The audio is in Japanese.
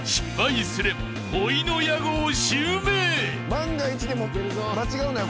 万が一でも間違うなよ